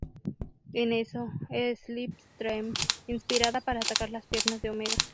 En eso Slipstream inspirada para atacar las piernas de Omega.